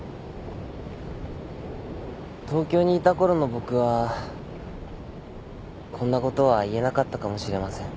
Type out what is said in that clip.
東京にいたころの僕はこんなことは言えなかったかもしれません。